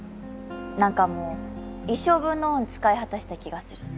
何かもう一生分の運使い果たした気がする